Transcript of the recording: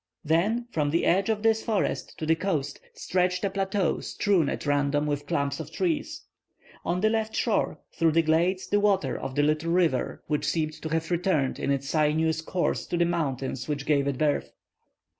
Then from the edge of this forest to the coast stretched a plateau strewn at random with clumps of trees. On the left shore through the glades the waters of the little river, which seemed to have returned in its sinuous course to the mountains which gave it birth.